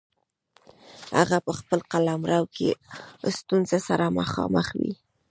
هغه په خپل قلمرو کې له ستونزو سره مخامخ وي.